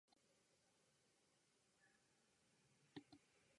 彼を手伝う人は次々と増え、いつの間にか隊員総出でボートの修理をしていた。無言のまま黙々と。